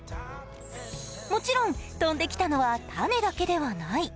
もちろん飛んできたのは種だけではない。